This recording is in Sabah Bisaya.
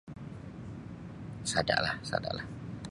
Sada'lah sada'lah.